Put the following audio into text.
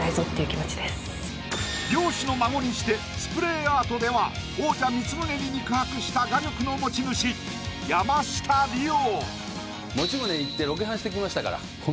漁師の孫にしてスプレーアートでは王者光宗に肉薄した画力の持ち主山下リオ。